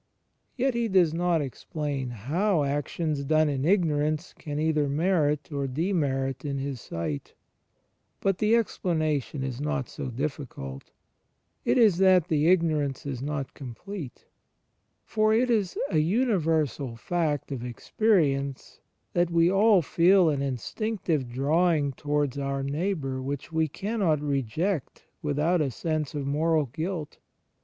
Yet He does not explain how actions done in ignorance can either merit or demerit in His sight. But the explanation is not so difficult. It is that the ^ Matt, zxv : 31 ff. CHRIST IN THE EXTERIOR 95 ignorance is not complete. For it is an universal fact of experience that we all feel an instinctive drawing towards our neighbour which we cannot reject without a sense of moral guilt.